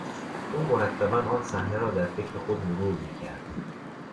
او مرتبا آن صحنه را در فکر خود مرور میکرد.